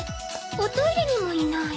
おトイレにもいない。